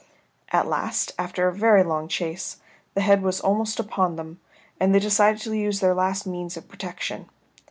At last, after a very long chase, the head was almost upon them, and they decided to use their last means of protection.